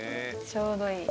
ちょうどいい。